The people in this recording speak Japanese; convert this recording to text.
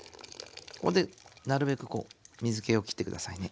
ここでなるべくこう水けを切って下さいね。